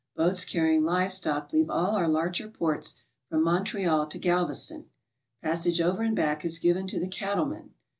Boats carrying kve stock leave all our larger ports from Montreal to Galveston. Passage over and back is given to the cattle m'en.